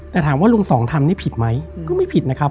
แต่ถามว่าลุงสองทำนี่ผิดไหมก็ไม่ผิดนะครับ